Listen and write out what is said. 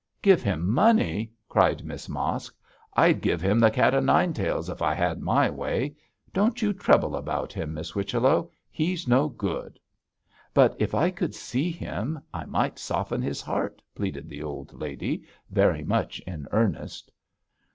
'Give him money!' cried Miss Mosk. 'I'd give him the cat o nine tails if I had my way. Don't you trouble about him, Miss Whichello; he's no good.' 'But if I could see him I might soften his heart,' pleaded the old lady, very much in earnest.